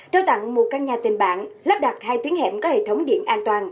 trao tặng một căn nhà tình bạn lắp đặt hai tuyến hẻm có hệ thống điện an toàn